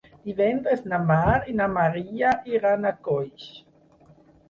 Divendres na Mar i na Maria iran a Coix.